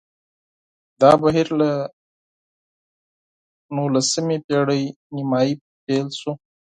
دا بهیر له نولسمې پېړۍ نیمايي پیل شو